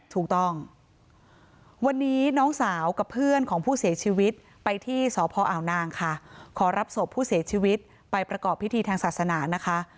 ถูกต้องวันนี้น้องสาวกับเพื่อนของผู้เสียชีวิตไปที่สพอาวนางค่ะขอรับศพผู้เสียชีวิตไปประกอบพิธีทางศาสนานะคะ